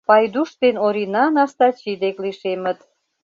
Пайдуш ден Орина Настачи дек лишемыт.